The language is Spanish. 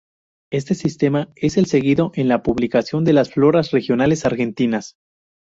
Este sistema, es el seguido en la publicación de las floras regionales argentinas.